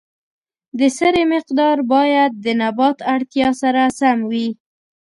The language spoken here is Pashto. د سرې مقدار باید د نبات اړتیا سره سم وي.